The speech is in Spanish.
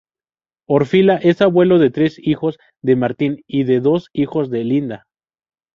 Orfila es abuelo de tres hijos de Martin y de dos hijos de Linda.